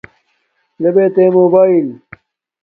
لے بے تے موباݵل